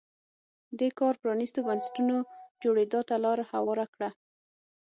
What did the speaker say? دې کار پرانیستو بنسټونو جوړېدا ته لار هواره کړه.